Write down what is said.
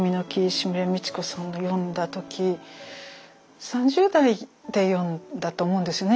石牟礼道子さんの読んだ時３０代で読んだと思うんですよね。